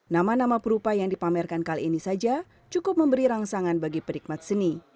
nama nama perupa yang dipamerkan kali ini saja cukup memberi rangsangan bagi penikmat seni